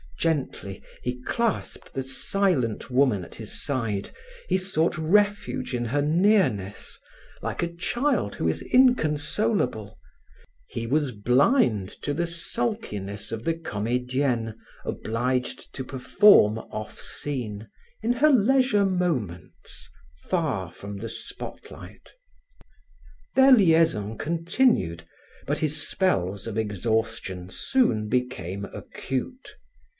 Gently he clasped the silent woman at his side, he sought refuge in her nearness, like a child who is inconsolable; he was blind to the sulkiness of the comedienne obliged to perform off scene, in her leisure moments, far from the spotlight. Their liaison continued, but his spells of exhaustion soon became acute.